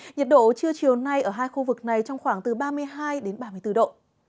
nhiệt độ trưa chiều nay ở hai khu vực này trong khoảng từ ba mươi hai đến ba mươi bốn độ